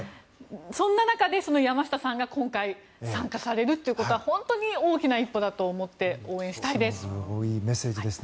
そんな中で山下さんが今回参加されるということは本当に大きな一歩だと思って応援したいです。